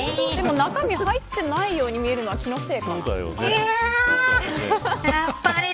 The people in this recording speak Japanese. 中身入っていないように見えるの、気のせいかな。